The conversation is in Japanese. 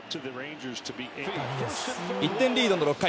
１点リードの６回。